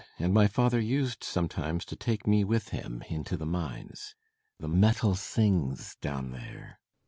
And my father used sometimes to take me with him into the mines. The metal sings down there.